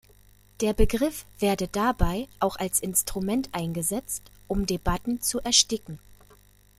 Der Begriff werde dabei auch als Instrument eingesetzt, um Debatten zu ersticken.